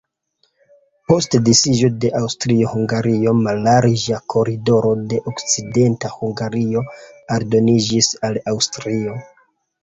Post disiĝo de Aŭstrio-Hungario mallarĝa koridoro de Okcidenta Hungario aldoniĝis al Aŭstrio.